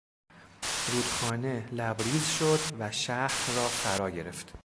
رودخانه لبریز شد و شهر را فرا گرفت.